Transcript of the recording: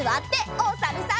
おさるさん。